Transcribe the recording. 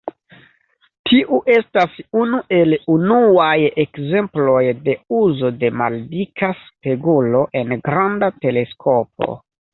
Tiu estas unu el unuaj ekzemploj de uzo de maldika spegulo en granda teleskopo.